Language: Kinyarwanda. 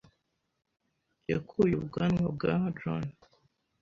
yakuye ubwanwa bwa John.